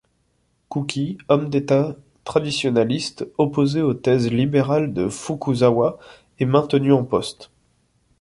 Kuki, homme d'État traditionaliste, opposé aux thèses libérales de Fukuzawa, est maintenu en poste.